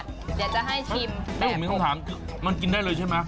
เดี๋ยวจะให้ชิมนี่เรียกว่ามีอันนี้ข้อถามมันกินได้เลยใช่มั้ย